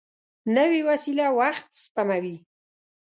نوې وسېله وخت سپموي